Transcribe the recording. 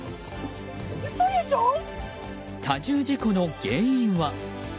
多重事故の原因は？